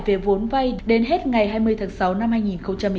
về vốn vay đến hết ngày hai mươi tháng sáu năm hai nghìn một mươi chín